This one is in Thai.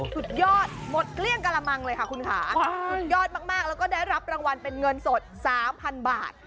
สุดยอดหมดเกลี้ยงกระมังเลยค่ะคุณค่ะสุดยอดมากแล้วก็ได้รับรางวัลเป็นเงินสด๓๐๐๐บาท